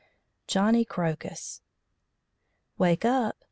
JOHNNY CROCUS "Wake up!